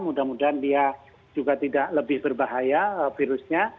mudah mudahan dia juga tidak lebih berbahaya virusnya